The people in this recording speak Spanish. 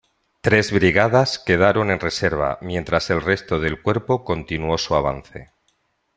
Tres Brigadas quedaron en reserva, mientras el resto del Cuerpo continuó su avance.